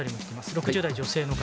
６０代の女性の方。